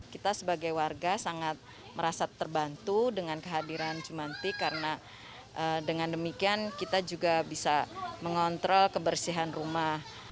kita sebagai warga sangat merasa terbantu dengan kehadiran jumantik karena dengan demikian kita juga bisa mengontrol kebersihan rumah